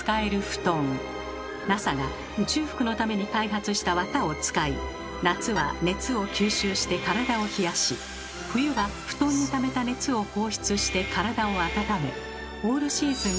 ＮＡＳＡが宇宙服のために開発したわたを使い夏は熱を吸収して体を冷やし冬は布団にためた熱を放出して体を温めオールシーズン